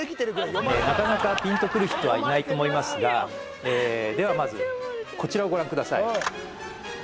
なかなかピンとくる人はいないと思いますがではまずこちらをご覧ください